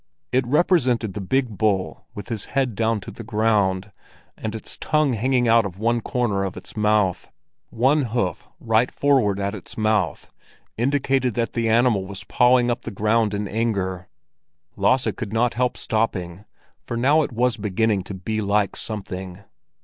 It represented the big bull with his head down to the ground, and its tongue hanging out of one corner of its mouth. One hoof right forward at its mouth indicated that the animal was pawing up the ground in anger. Lasse could not help stopping, for now it was beginning to be like something.